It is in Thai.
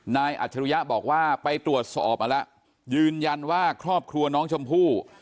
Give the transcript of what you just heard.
อัจฉริยะบอกว่าไปตรวจสอบมาแล้วยืนยันว่าครอบครัวน้องชมพู่